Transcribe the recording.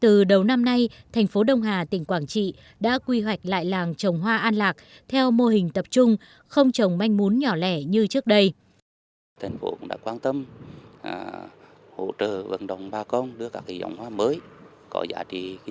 từ đầu năm nay thành phố đông hà tỉnh quảng trị đã quy hoạch lại làng trồng hoa an lạc theo mô hình tập trung không trồng manh mún nhỏ lẻ như trước đây